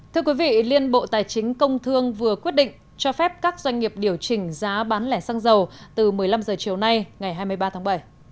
thưa quý vị liên bộ tài chính công thương vừa quyết định cho phép các doanh nghiệp điều chỉnh giá bán lẻ xăng dầu từ một mươi năm h chiều nay ngày hai mươi ba tháng bảy